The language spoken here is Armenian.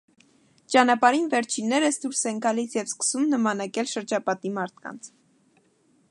Ճանապարհին վերջիններս դուրս են գալիս և սկսում նմանակել շրջապատի մարդկանց։